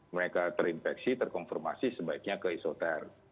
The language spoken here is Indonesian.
mereka terinfeksi terkonfirmasi sebaiknya ke isoter